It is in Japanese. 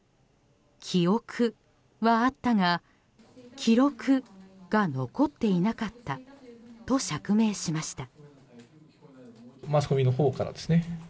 記憶はあったが記録が残っていなかったと釈明しました。